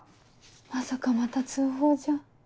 まさかまた通報じゃ。